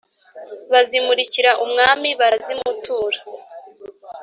bazimurikira umwami barazimutura.